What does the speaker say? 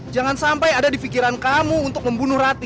jangan sampai ada di pikiran kamu untuk membunuh rati